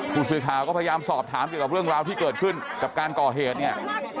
ผู้สื่อข่าวก็พยายามสอบถามเกี่ยวกับเรื่องราวที่เกิดขึ้นกับการก่อเหตุเนี่ย